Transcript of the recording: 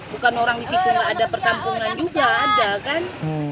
bukan orang di situ nggak ada perkampungan juga ada kan